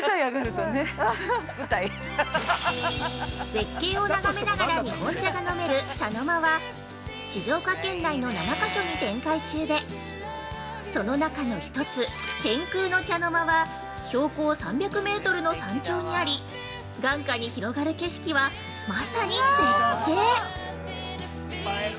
◆絶景を眺めながら日本茶が飲める、茶の間は静岡県内の７か所に展開中でその中の一つ、天空の茶の間は、標高３００メートルの山頂にあり、眼下に広がる景色は、まさに絶景。